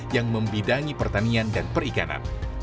yang membidangi pertanian dan perikanan